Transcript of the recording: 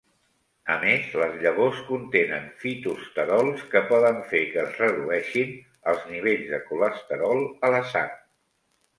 A més, les llavors contenen fitosterols que poden fer que es redueixin els nivells de colesterol a la sang.